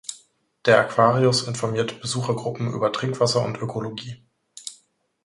Der Aquarius informiert Besuchergruppen über Trinkwasser und Ökologie.